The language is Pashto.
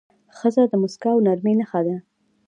ښځه د موسکا او نرمۍ نښه ده.